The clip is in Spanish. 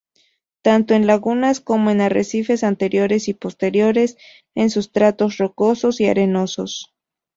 Tanto en lagunas, como en arrecifes anteriores y posteriores, en sustratos rocosos y arenosos.